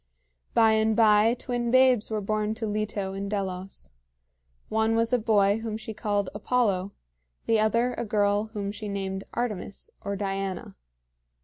By and by twin babes were born to Leto in Delos. One was a boy whom she called Apollo, the other a girl whom she named Artemis, or Diana.